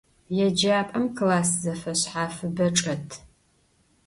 Yêcap'em klass zefeşshafıbe çç'et.